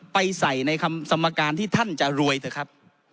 ไปใส่ในคำสมการที่ท่านจะรวยเถอะครับ